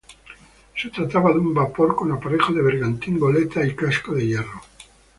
Se trataba de un vapor con aparejo de bergantín goleta y casco de hierro.